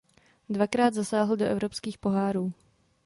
Dvakrát zasáhl do evropských pohárů.